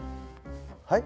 はい？